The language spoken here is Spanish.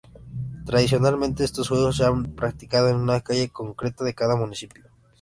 Tradicionalmente estos juegos se han practicado en una calle concreta de cada municipio.